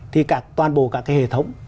thì toàn bộ các cái hệ thống